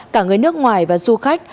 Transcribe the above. cả người nước ngoài và du khách